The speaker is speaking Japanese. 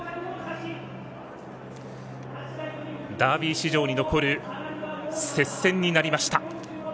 ダービー史上に残る接戦になりました。